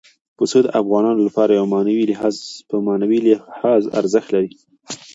پسه د افغانانو لپاره په معنوي لحاظ ارزښت لري.